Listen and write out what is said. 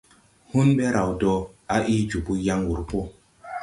Hun be raw do, a ii jòbō yan wur po.